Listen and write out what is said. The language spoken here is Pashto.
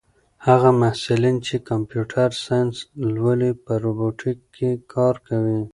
هغه محصلین چې کمپیوټر ساینس لولي په روبوټیک کې کار کوي.